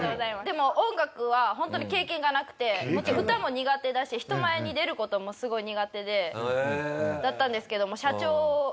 でも音楽はホントに経験がなくてもちろん歌も苦手だし人前に出る事もすごい苦手だったんですけど。